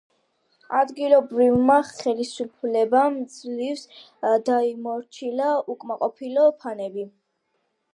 ადგილობრივმა ხელისუფლებამ ძლივს დაიმორჩილა უკმაყოფილო ფანები.